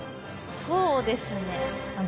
そうですね。